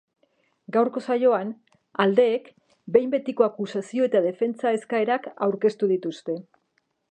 Gaurko saioan, aldeek behin betiko akusazio eta defentsa eskaerak aurkeztu dituzte.